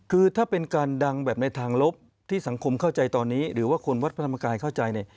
คือถ้าเป็นการดังแบบในทางลบที่สังคมเข้าใจตอนนี้หรือว่าคนวัดพระธรรมกายเข้าใจเนี่ย